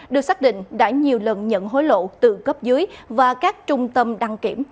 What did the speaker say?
được xác định đã nhiều lần nhận hối lộ từ cấp dưới và các trung tâm đăng kiểm